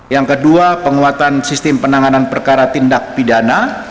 yang kedua penguatan sistem penanganan perkara tindak pidana